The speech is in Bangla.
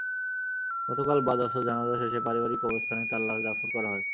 গতকাল বাদ আসর জানাজা শেষে পারিবারিক কবরস্থানে তাঁর লাশ দাফন করা হয়।